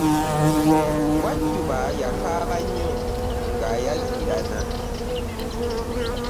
Wajjuba yakaaba nnyo ng’ayaziirana.